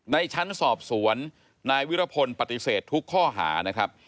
ในชั้นสอบสวนนายวิรพลปฏิเสธทุกข้อหานะครับ